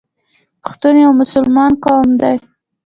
پښتون یو مسلمان قوم دی.